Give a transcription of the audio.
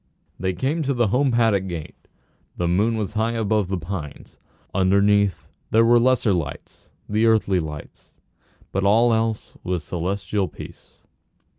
They came to the home paddock gate. The moon was high above the pines. Underneath there were the lesser lights, the earthly lights, but all else was celestial peace.